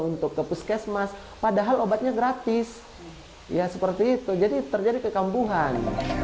untuk ke puskesmas padahal obatnya gratis ya seperti itu jadi terjadi kekambuhan